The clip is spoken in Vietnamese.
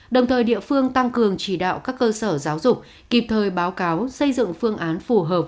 đồng thời địa phương tăng cường chỉ đạo các cơ sở giáo dục kịp thời báo cáo xây dựng phương án phù hợp